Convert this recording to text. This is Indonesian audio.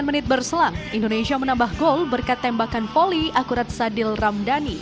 sembilan menit berselang indonesia menambah gol berkat tembakan volley akurat sadil ramdhani